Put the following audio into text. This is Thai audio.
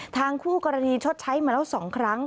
คู่กรณีชดใช้มาแล้ว๒ครั้ง